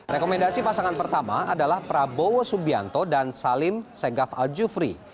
rekomendasi pasangan pertama adalah prabowo subianto dan salim senggaf aljufri